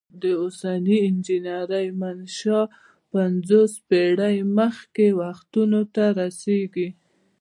د اوسنۍ انجنیری منشا پنځوس پیړۍ مخکې وختونو ته رسیږي.